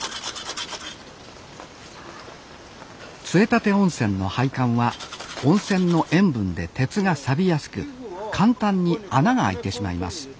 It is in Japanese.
杖立温泉の配管は温泉の塩分で鉄がさびやすく簡単に穴が開いてしまいます